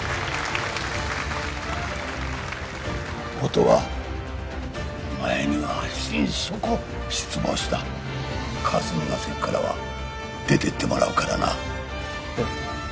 音羽お前には心底失望した霞が関からは出てってもらうからなええ